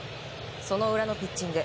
その裏のピッチング。